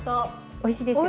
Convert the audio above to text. おいしいですよね。